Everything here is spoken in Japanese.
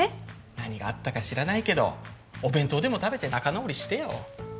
何があったか知らないけどお弁当でも食べて仲直りしてよ